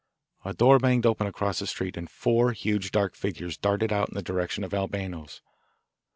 A door banged open across the street, and four huge dark figures darted out in the direction of Albano's.